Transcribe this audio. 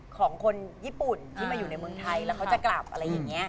ของคนญี่ปุ่นที่มาอยู่ในเมืองไทยแล้วเขาจะกลับอะไรอย่างนี้